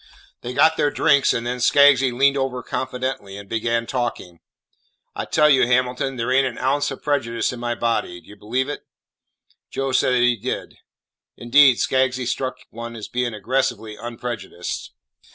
They got their drinks, and then Skaggsy leaned over confidentially and began talking. "I tell you, Hamilton, there ain't an ounce of prejudice in my body. Do you believe it?" Joe said that he did. Indeed Skaggsy struck one as being aggressively unprejudiced.